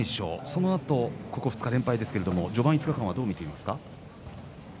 このあとここ２日、連敗ですけど序盤５日間はどう見ていますか？